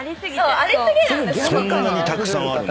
「そんなにたくさんある？」